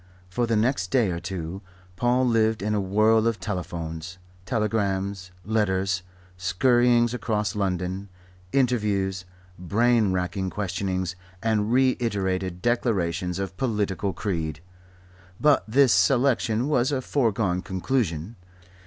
For the next day or two Paul lived in a whirl of telephones, telegrams, letters, scurryings across London, interviews, brain racking questionings and reiterated declarations of political creed. But his selection was a foregone conclusion.